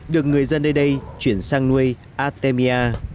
được người dân đây đây chuyển sang nuôi artemia